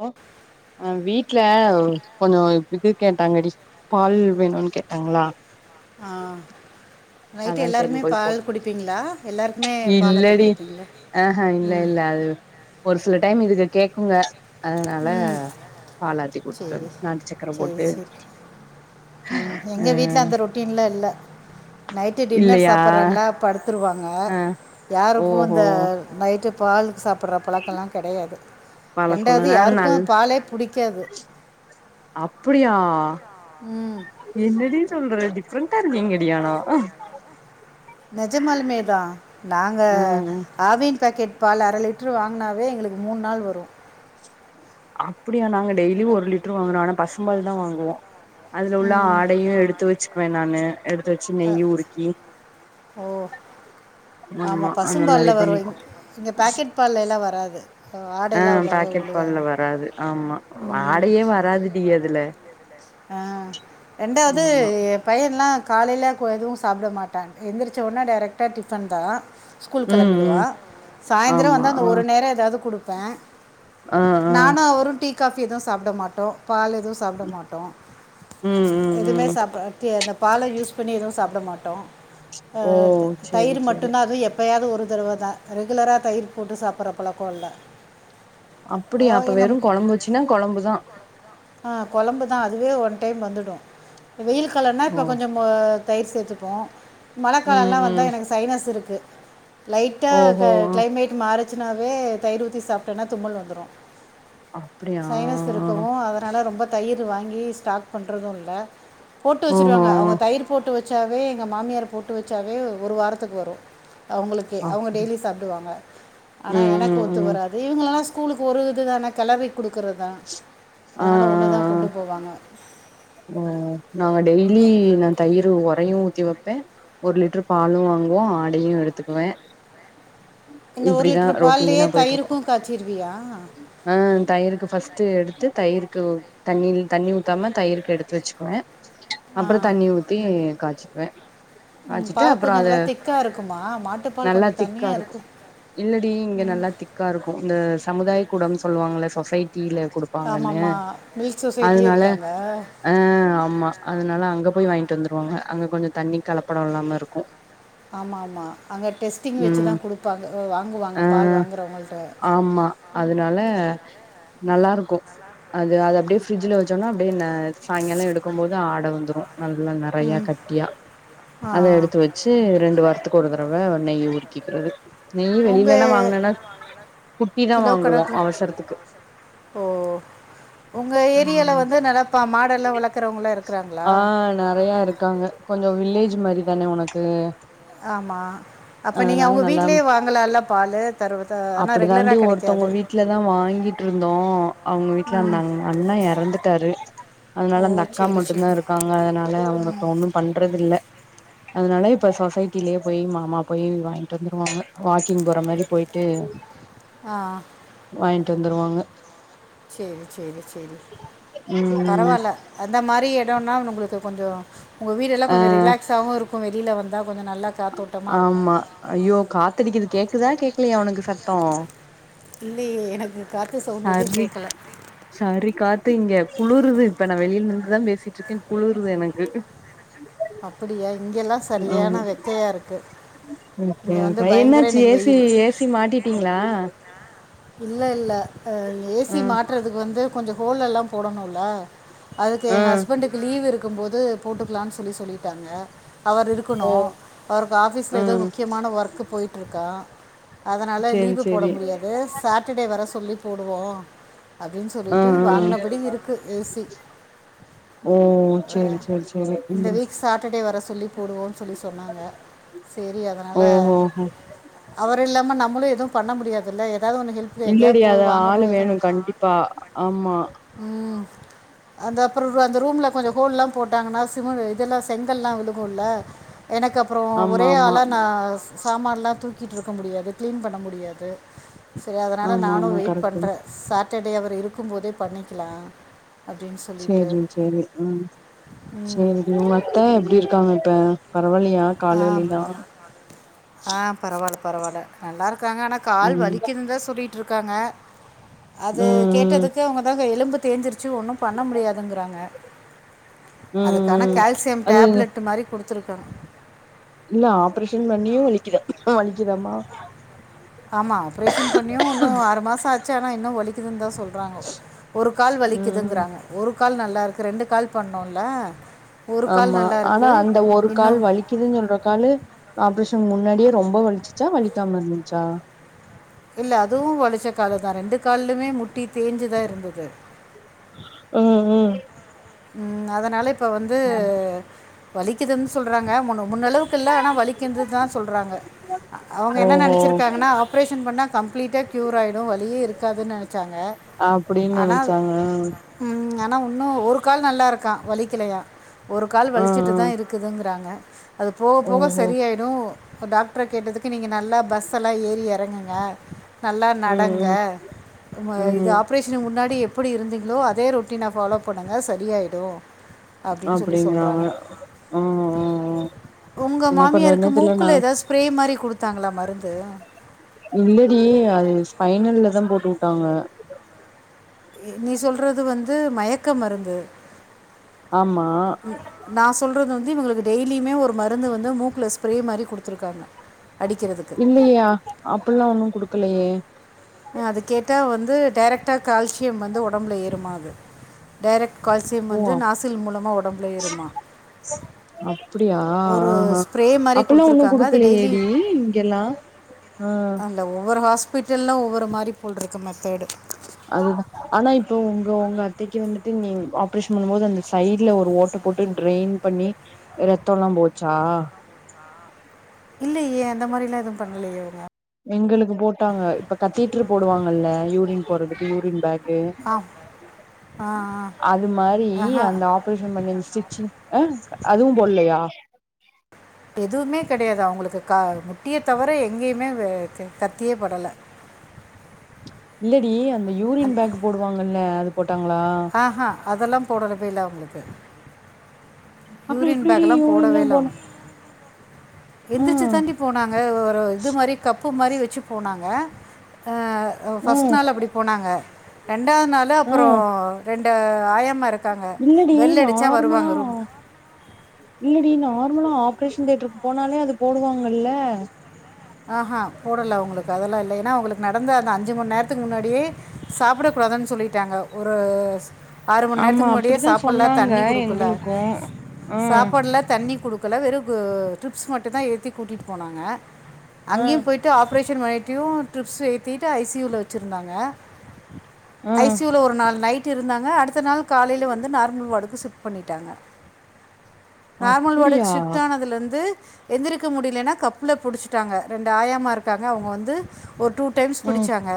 Hello அ வீட்ல கொஞ்சோ இது கேட்டாங்கடி பால் வேணுனு கேட்டாங்ளா ஆ நைட்டு சரின்னு எல்லாருமே போய் பால் போட்டு குடுப்பீங்ளா எல்லாருக்குமே பாலாத்தி இல்லடி குடுப்பீங்ளா ஆஹா இல்ல ம் இல்ல அது ஒரு சில டைம் இதுக கேக்குங்க அதனால ம் பாலாத்தி குடுத்துட்டு சரி நாட்டு சக்கர சரி போட்டு சரி ம் எங்கள் வீட்டில் உம் அந்த ரொட்டீன்லாம் இல்லை நைட்டு டின்னர் சாப்புறாங்ளா படு படுத்துருவாங்க ஆ யாருக்கு ஓஹோ இந்த நைட்டு பால் சாப் சாப்ற பழக்கலா கெடயாது வாழக்கொல இரண்டாவது நா யாருக்கு நல் பாலே புடிக்காது [unintelligible] என்னடி சொல்ற டிப்ரென்ட் [unintelligible] டி ஆனா நெஜமாலுமேதா நாங்க ஆ ஆவின் பேக்கெட் பால் அர லிட்ரு வாங்னாவே எங்களுகு மூனு நாள் வரு அப்டியா நாங்க டெய்லி ஒரு லிட்ரு வாங்குறோ ஆனா பசுபால் தா வாங்குவோ அதுல உள்ள ம் ஆடையு எடுத்து வச்சுகுவே நானு எடுத்து வச்சு நெய் உருக்கி ஓ ஆமா அந்த பசும் பால்ல மாரி வரு பண்ணிக்கோ இங்க பாகெட் பால்லேலா வராது ஆ ஆடைல்லா அவ்வளவ பாக்கெட் பால்ல விழுகாது வராது ஆமா உம் ஆடையே வராதுடி அதுல ஆ ரெண்டாவ்து ஆமா எ பையன்லா காலைல இப்ப எதுவு சாப்ட மாட்டாங்க எந்திருச்ச உடனே டைரக்டா டிபன் தா ஸ்கூல் ம் கெளம்பிடுவா ம் சாயந்திர ஆமா வந்தா அந்த ஆ ஒரு நேர ஏதாது கொடு ப்ப ஆ ஆ நானு அவரு டீ டீ காபி எதுவு சாப்ட மாடோ பால் எதுவு சாப்ட மாடோ ம் ம் எதுமே ம் சாப்தன்ன [unintelligible] பாலே யூஸ் இப் பண்ணி எதுவு சாப்ட மாட்டோ அ ஓ சேரி தயிர் சேரி மட்டுதா அது எ எப்பயாது ஒரு தடவ தா ரெகுலரா தயிர் போட்டு சாப்ற பழக்க இல்ல அப்டியா அப்ப வெறு கொலம்பு வச்சீங்னா கொலம்பு தா ஆ கொலம்பு தா அதுவே ஒன் டைம் வந்துடு வெயில் காலனா ஓ இப்ப கொஞ்ச தயிர் சேத்துபோ ம் மழக்காலலா வந்தா ம் எனக்கு சைனஸ் இருக்கு லைட்டா க ஓஹோ கிளைமேட் மாறுச்சு ன்னாவே தயிர் ஊத்தி சாப்ட்டனா தும்மல் வந்துரு அப்டியா சைனஸ் இருக்கவு அதனால ரொம்ப தயிர் வாங்கி ஸ்டாக் பண்றது இல்ல போட்டு ஓஹோ வச்சுருவாங்க அவுங்க போட்டு வச்சாவே எங்க மாமியார் போட்டு வச்சாவே ஒரு வாரத்துக்கு வரு அவங்களுக்கே அவங்க அப்டி டெய்லி சாப்டுவாங்க ஆனா ம் எனக்கு ம் ஒத்து ம் வராது இவங்களலா ஸ் கூலுக்கு ஒரு இதுதான கெளறி குடுக்கறதுதா ஆ ஆ அதனால ஒன்னுதா ஆ கொண்டு போவாங்க ஆ நாங்க டெய்லி நா தயிர் ஒரையு ஊத்தி வப்பே ஒரு லிட்ரு பாலு வாங்குவோ ஆடையு எடுத்துக்குவே இந்த ஒரு இப்டிதா லிட்ரு பால்லயே ரொட்டீனா தயிருக்கு போயிட்ருக்கு காய்ச்சிருவியா? க்கு ஃபஸ்ட்டு எடுத்து தயி்ருக்கு தண்ணி தண்ணி ஊத்தாம தயி்ர் க்கு எடுத்து வச்சுக்குவே ஆ அப்பற தண்ணி ஊத்தி காச்சிக்குவே ம், காச்சிட்டு பால் அப்புறோ கொஞ்சம் அது நல்லா திக்காக இருக்குமா மாட்டுப்பால் நல்லா கொஞ்சம் திக்கா தண்ணியாக இருக்கு இருக்கும் இல்லடியு இங்க நல்லா திக்கா இருக்கு இந்த சமுதாய கூடோன்னு சொல்லுவாங்கல்ல சொசை ட்டில குடுப்பாங்கன்னு ஆமாம்மா மில்க் சொசைட்டியே அதனால இருக்காங்க ஆ ஆமா அதனால அங்க போய் வாங் கிட்டு வந்துருவாங்க அங்க கொஞ்ச தண்ணி கலப்படோ இல்லாம இருக்கு ஆமா ஆமா அங்க டெஸ்ட்டிங் வெச்சுதா ம் குடுப்பாங்க ஆ வாங்குவாங்க பால் ஆ வாங்குறவங்கள்ட்ட ஆமா அதனால நல்லா இருக்கு அது அது அப்டியே ஃப்ரிட்ஜ்ல வச்சவுன்னே அப்டியே ந சாயங்கால எடுக்கும் போது ஆ ட வந்துரு நல்லா நெறையா ம் கட்டியா அத எடுத்து வச்சு ரெண்டு வாரத்துக்கு ஒரு தடவ நெய் உரு க்கிக்கிறது நெய் வெளியிலல்லா உங்கள் வாங்குனன்னா குட்டிதா கிலோ வாங்குவோ கணக்கில் அவசரத்துக்கு ஓ ம் ம் ம் டல்லா வளக்குறவங்கல்லா இரு ஆ நெறையா இருக்காங்க கொஞ்ச வில்லேஜ் மாரிதானே உனக் கு ஆமாம் அப்போ நீங்கள் அதனால அவங்க நல்லா வீட்டிலேயே வாங்கலாம்ல பால் தருவ ஆனால் அப்பிடிதாண்டி ரெகுலராக ஒருத்தவங்க கிடைக்காது வீட்லதா வாங்கிட்ருந்தோ அவங்க வீட்ல அந்த ம் அண் அண்ணா எறந்துட்டாரு ஓ அதனால அந்த அக்கா சரி மட் மட்டு தா சரி இருக்காங்க அதனால அவங்களுக்கு ஒண்ணு பண்றதில்ல அதனால இப்ப சொசைட்டிலயே போய் மாமா போய் வாங்கிட்டு வந்து வாக்கிங் போற மாரி போயிட்டு வாங்க தந்துருவாங்க சேரி- சேரி -சேரி ம் பரவல அந்த மாரி நிறய இடனா நம்மளுக்கு கொஞ்ச உங்க வீடு எல்லா அ கொஞ்ச ரிலாக்ஸாவு இருக்கு வெளில வந்தா ஆமா ஐயோ காத்தடிக்குது கேக்குதா கேக்கலயா உனக்கு சத்த இல்லயே எனக்கு காத்து சவுண்ட் எது சரி கேக்கல சரி காத்து இங்க குளுறுது இப்ப நா வெளியில நின்னுட்டுதா பேசிட்டு இருக்கே குளுறுது எனக்கு அப்படியா இங்கெல்லாம் ஆமா சரியான வெக்கையாக இருக்குது இங்கே வந்து பயங்கர என்னாச்சு இன்னைக்கு ஏசி வெயில் ஏசி மாட்டிட்டீங்ளா இல்ல இல்ல ஏசி மாற்றதுக்கு வந்து கொஞ்ச கோலெல்லா போடனுல அதுக்கு எ ம் ஹஸ்பண்ட்க்கு லீ்வு இருக்கு இருக்கும்போது போட்டுக்லானு சொல்லி சொல்லிட்டாங்க அவர் ஓ இருக்கணு அவருக்கு ஆஃபீஸ்ல ஏதோ ம் முக்கியமான ஒர்க் போயிட்ருக்கா அதனால சேரி லீவு போட சேரி முடியாது சட்ர்டடே வரசொல்லி போடுவோ அப்டினு ஆ சொல்லிட்டு ஆ வாங்னபடி இருக்கு ஏசி ஓ சேரி சேரி சேரி இந்த ம் வீக் சாட்டர்டே வர தலிப் போடுவோ சொல்லி சொன்னாங்க சேரி அதனால ஓஹோஹோ அவர் அது இல்லாம நம்மளு எதுவு பண்ண முடியாதுல்ல ஏதாவது ஒன்று ஹெல்ப் எங்கேயாவது இல்லடி போய் அத ஆளு வாங்கணும் வேணு எதுவும் கண்டிப்பா ஆமா ம் அந்த அப்புற அந்த ரூம்ல கொஞ்ச ஹோல்லா போட்டாங்னா சிமி இதெல்லா செங்கல்லா விழுகுல எனக்கு அப்ற ஆமா ஒரே ஆமா ஆள நா சாமாலா தூக்கிட்டுருக்க முடியாது கிளீன் பண்ணமுடியாது செரி அதனால ஆமா நானு ஆமா வெயிட் கரெக்ட் தா பண்றே சா டே அவர் இருக்கு போதே பண்ணிக்லா சேரி சேரி ம் ம் சேரி உங்க அத்த எப்டி இருக்காங்க இப்ப பரவால்லயா கால் ஆ, வலியெல்லா? பரவால்ல நல்லாருக் காங்க ஆனா கால் வலிக்கிதுன்தா சொல்லி ட்ருக்காங்க ம் அது ம் கேட்டதுக்கு அவங்கதாங்க எலும்பு தேஞ்சிருச்சு ஒன்னு பண்ண முடியாதுங்கிறாங்க ம் அதுக்கு ஆனா ம் கால்சியம் அது டேப்லெட் மாரி குடுத் துருக்காங்க இல்ல ஆப்ரேஷன் பண்ணியு வலிக்குதா வலிக்குதாமா? ஆமா ஆப்ரேஷன் பண்ணியு உன்னு ஆறு மாசோ ஆச்சா ஆனா இன்னு வலிக்குதுன்தா சொல் றாங்கோ ஒரு கால் ம் வலிக்குதுங்கிறாங்க ஒரு கால் நல்லாருக்கு ரெண்டு கால் பண்ணோல்ல ஆமா ஆனா அந்த ஒரு கால் வலிக்குதுன்னு சொல்ற காலு ஆப்ரேஷன் முன்னாடியே ரொம்ப வலிச்சி ச்சா வலிக்காம இருந்துச்சா? இல்ல அதுவு வலிச்ச காலுதா ரெண்டு காலுமே முட்டி தேஞ்சுதா இருந்துது ஆ ஆ ம் அதனால இ ப்ப வந்து வலிக்குதுன் சொல்றாங்க முன்னு முன்னளவுக்கு இல்ல ஆனா வலிக்கின்றுதுதா சொல்றாங்க அ அவங்க என்ன ஓஹோ நெனச்சிருக்காங்கன்னா ஆப்ரேஷன் பண்ணா கம்ப்ளிட்டா க்யூர் ஆயி ரு வலியே இருக்காதுன்னு நெனைச்சாங்க அப்டின்னு ஆனா அது நெனச்சாங்க ம் ஆனா உன்னு ஒரு கால் நல்லாருக்கா வலிக்கலையா ஒரு கால் ஆ ஆ வலிச்சிட்டுதா இருக்குதுங்கிறாங்க அது போக போக ஓஹோ சரியாயிரு அவுரு டாக்ட்ர கேட்டதுக்கு நீங்க நல்லா பஸ்ஸெல்லா ஏறி எறங்கு ங்க நல்லா ம் நடங்க ம் ம் ஆ இது ஆப்ரேஷனுக்கு முன்னாடி எ ப்பிடி இருந்தீங்களோ அதே ரொட்டீன் ஃபாலோ பண்ணு ங்க சரியாயிடு அப்பிடிங்கறாங்க ஆ ஹ ஆ ஆ உங்கள் என்ன மாமியாருக்கு பண்றதுன்னே தெரிலன்னா மூக்கில் ஏதாவது ஸ்ப்ரே மாதிரி கொடுத்தாங்களா மருந்து இல்லடீ அது பைனல்லதா போட்டு விட்டாங்க நீ சொல் றது வந்து மயக்க மருந்து ஆமா நா சொல்றது வந் து இவுங்களுக்கு டெய்லியுமே ஒரு மருந்து வந்து மூக்குல ஸ்ப்ரே மாரி குடுத்துருக்காங்க இல்லைய்யா அப்பல்லா ஒண்ணும் குடுக்கலையே அது கேட்டா வந்து டைரக்ட்டா கால்சியம் வந்து உடம்புல ஏறும்மா அது டைரக்ட் கால்சியம் ஓ வந்து நாசில் மூலமா உடம்புலா ஏறும்மா ஸ் அப்டியா ஒரு ஆஹா ஸ்ப்ரே மாரி அப்பல்லா ஒன்னு குடுத்தருக்காங்க அது டெய்லி குடுக்கலையேடி இங்கெல்லா ஆ அந்த ஒவ்வொரு ஹாஸ் பிட்டல்லா வர்த் ந்த மாரி போல் இருக்கு மெத்தடு அதுதா ஆனா இப்ப உங்க உங்க அத்தைக்கு வந்துட்டு நீ ஆப்ரேஷன் பண்ணும்போது அந்த சைடு்ல ஒரு ஓட்ட போட்டு டிரெய்ன் பண்ணி ரத்தம்ல்லா போச்சா இல்லையே அந்த மாரிலா எதுவும் பண்லையேங்க எங்களுக்கு போட்டாங்க இப்ப கத்தீட்ரு போடுவாங்கல்ல யூரின் போறதுக்கு யூரின் பேக் ஆ ஆ அது மாரி ஆஹா அந்த ஆப்ரேஷன் பண்ணி அந்த ஸ்டிச்சிங் அ அதுவும் போல்லியா எதுவுமே கெடையாது அவுங்களுக்கு கா முட்டியே தவர எங்கேயுமே வே கத்தியே படல இல்லடி அந்த யூரின் பேக் போடுவாங்கல்ல அது ட்டாங்களா அதெல்லா போடலப்பல்ல அவுங்களுக்கு அப்புற எப்டி டி யூரின் லா போனோ எந்திரிச்சு தாண்டி போனாங்க ஒரு இது மாரி கப் பு மாரி வச்சு போனாங்க ஆ ஓ ஃபர்ஸ்ட் ம் நாள்ல அப்டி போனாங்க ரெண்டாவது நாலு அப்புற ம் ரெண்டு ஆயம்மா இருக்காங்க இல்லடி பெல்லு அடிச்சா நார்மலா வருவாங்க ரூம் இல்லடி நார்மலா ஆப்ரேஷன் தியேட்டருக்கு போனாலே அது போடுவாங்கல்ல அ ஆ போடல அவுங்களுக்கு அதெல்லா இல்ல ஏனா அவுங்களுக் நடந்த அந்த அஞ்சு மண் நேரத்துக்கு முன்னாடியே சாப்ட கூடாதுன் சொல்லிட்டாங்க ஒரு ஸ் ஆறு மண் ஆமா நேரத்துக்கு முன்னாடியே அப்டித்தா சாப்புல்ல சொன்னாங்க தண்ணி குடுக்கல எங்களுக்கு ஆ சாப்பாடுல தண்ணி குடுக் ப்பல்லா வெறு கூ ட்ரிப்ஸ் மட்டும்தா ஏத்தி கூட்டிட்டு போனாங்க ஆ அங்கேயும் போயிட்டு ஆப் ஆப்ரேஷன் பணிட்டு ட்ரிப்ஸ் ஏத்திட்டு ஐ சி யூவுல வச்சுருந்தாங்க ஆ ஐசியூல ஒரு நாள் நைட் இருந்தாங்க அடுத்த நாள் காலையல வந்து நார்மல் வாடுக்கு ஷிஃப்ட் பண்ணிட்டாங்க நார்மல் அப்டியா வாடுக்கு ஷிஃப்ட் ஆனதுலந்து எந்திரிக்க முடியலனா கப்புல புடிச்சு ட்டங்க ரெண்டு ஆயம்மா இருக்காங்க அவுங்க வந்து ஒரு டூ டைம்ஸ் ம் பிடிச்சாங்க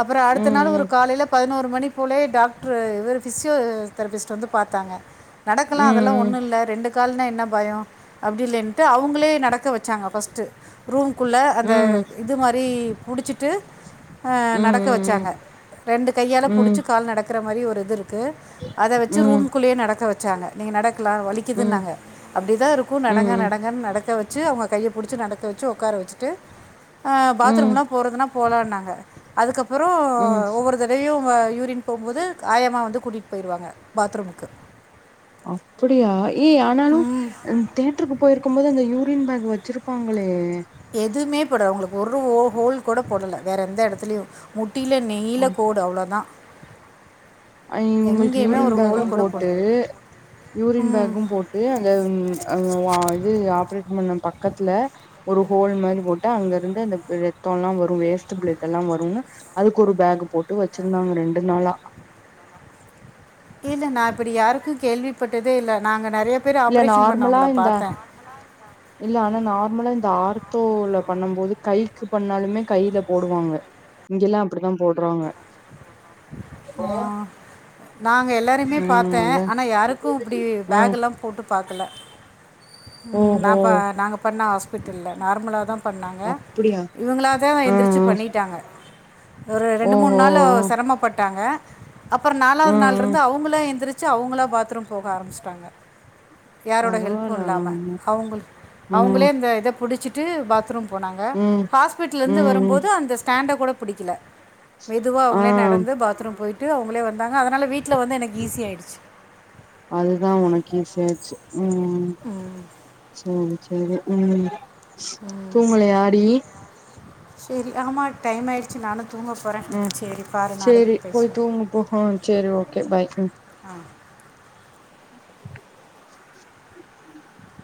அப்புற அடுத்த நாள் ஒரு ம் காலையல பதினோரு மணிப்போலே டாக்ட்ரு இவரு ஃபிசியோ தெரபிஸ்ட் வந்து பாத்தாங்க நடக்கலா அதெல்லா ம் ஒன்னுல்ல ரெண்டு காலுனெ என்ன பயொ அப்டில்லென்ட்டு அவுங்களே நட க்க வச்சாங்க ஃபஸ்ட்டு ரூம்குள்ள அந்த ம் இது மாரி புடுச்சிட்டு அ நடக்க ம் வச்சாங்க ரெண்டு கையால ம் புடுச்சு கால் நடக்குற மாரி ஒரு இது இரு க்கு அத ம் வச்சு ம் ரூம்க்குள்ளயே நடக்க வ ச்சாங்க நீங்க நட க்லா ம் ம் ம் வலிக்குதுன்னாங்க அப்டிதா இருக்கு நடங்க ம் நடங்கன் நடக்க வ ச்சு அவுங்க கைய புடுச்சு நடக்க வ ச்சு ஒக்கார வச்சுட்டு ஆ ம் ம் பாத்ரூம்லா போறதுனா போலான்னாங்க அதுக்கப் புறொ ம் ஒவ்வொரு தடவயு ஆ யூரின் போம்போது காயமா வந்து கூட்டிட் போயிருவாங்க பாத்ரூமுக்கு அப்புடியா ஏ ஆனாலு ம், தேட்டருக்கு போயிருக்கும் போது அந்த யூ ரின் பேக் வச்சுருப்பாங்களே எதுமே போட அவங்களுக்கு ஒரு ஓ ஹோல் கூட போடல வேற எந்த எடத்துலயு முட் டில நெய்ல கோடு அவ்ளொதா அ இவுங்களுக்கு யூரின் ஒரு பேகும் ஹோல் கூட போட்டு போடல யூரின் ம் பேகும் போட்டு அந்த ம் அ வா இது ஆப்ரேட் பண்ண பக்கத்ல ஒரு ஹோல் மாரி போட்டு அங்கருந்து அந்த ரத்தொல்லா வரு வேஸ்ட்டு பிளட் எல்லா வருன்னு அதுக்கு ஒரு பேகு போட்டு வச்சுருந்தாங்க ரெண்டு நாளா இல்ல நா இப்பிடி யாருக்கு கேள்விப்பட்டதே இல்ல நாங்க இல்ல நார்மலா இந்த இல்ல ஆனா நார்மலா இந்த ஆர் தோல பண்ணும் போது கைக்கு பண்ணாலுமே கையில போடுவாங்க இங்கெல்லா அப்பிடிதா போட்றாங்க ஆ நா அங்க எல்லாரயுமே ம் பாத்தே அதா ஆனா யாருக்கு இப்டி ம் பேகெல்லா போட்டு பாக்கல நா ஓஹோ ப நாங்க பண்ண ஹாஸ்பிட்டல்ல நார்மலா தா பண்ணாங்க அப்டியா இவுங்களா தா ஆ ஆ எந்திரிச்சு பண்ணிகிட்டாங்க ஒரு ரெண்டு ஓஹோ மூண் நாளு செரம ட்டாங்க அப்பற நாலாவது ம் ம் நாள்ருந்து அவுங்களா எந்துருச்சு அவுங்களா பாத்ரூம் போக ஆரம்பிச்சு டாங்க யாரோட பரவால்ல ஆனா ஹெல்ப்புல்லாம அவுங்கள் ம் அவுங்களே இந்த இத புடுச்சி ட்டு பாத்ரூம் போனாங்க ம் ஹாஸ்பிட்ல ம் இருந்து ம் வரும்போது அந்த ஸ்டேண்ட கூட புடிக்கல மெதுவா ஆ அவங்களே நட ந்து பாத்ரூம் போயிட்டு அவங்களே வந்தாங்க அதனால வீ அதுதா உனக்கு ஈசி ஆச்சு ம் ம் சேரி செரி ம் தூங்கலயாடி? செரி ஆமா டைம் ஆயிருச்சு நானு ம் சேரி போய் பேசுவோம் தூங்கு போ ஆ சேரி ஓகே பாய் ம் ஆ